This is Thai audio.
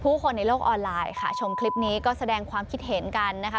คนในโลกออนไลน์ค่ะชมคลิปนี้ก็แสดงความคิดเห็นกันนะคะ